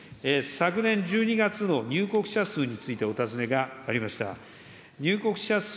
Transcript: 昨年１２月の入国者数についてお尋ねがありました。